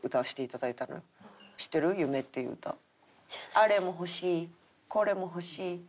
「あれも欲しいこれも欲しい」